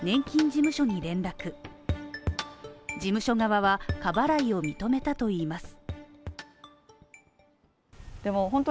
事務所側は、過払いを認めたといいます。